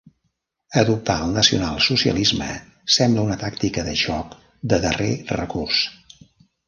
Adoptar el nacional-socialisme sembla una tàctica de xoc de darrer recurs.